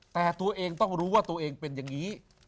แต่ตัวเองต้องรู้ว่าตัวเองเป็นอย่างนี้